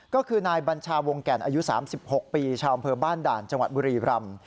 ก็คือนายบัญชาวงแก่นอายุ๓๖ปีชาวอำเภอบ้านด่านจังหวัดบุรีรำ